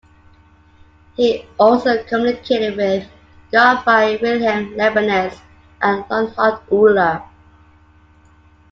He also communicated with Gottfried Wilhelm Leibniz and Leonhard Euler.